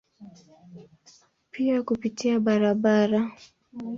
Pia kupitia barabara.